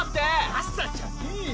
朝じゃねぇよ！